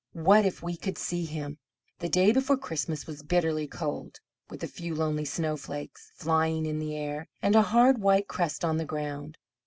What if we could see Him?" The day before Christmas was bitterly cold, with a few lonely snowflakes flying in the air, and a hard white crust on the ground.